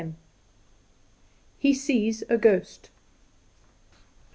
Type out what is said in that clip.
IX. He Sees A Ghost.